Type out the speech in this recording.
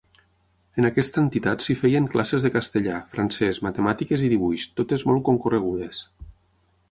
En aquesta entitat s'hi feien classes de castellà, francès, matemàtiques i dibuix, totes molt concorregudes.